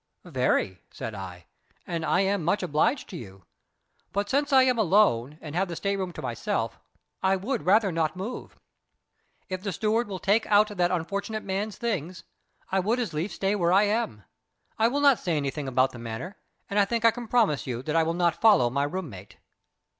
"Very," said I; "and I am much obliged to you. But since I am alone, and have the state room to myself, I would rather not move. If the steward will take out that unfortunate man's things, I would as lief stay where I am. I will not say anything about the matter, and I think I can promise you that I will not follow my room mate."